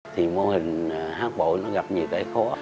thì mô hình hát bội nó gặp nhiều cái khó